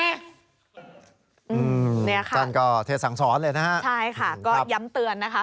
เนี่ยค่ะท่านก็เทศสังสอนเลยนะฮะใช่ค่ะก็ย้ำเตือนนะคะ